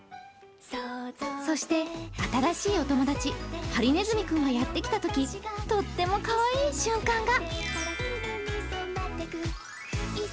そして、新しいお友達、はりねずみ君がやってきたときとってもかわいい瞬間が！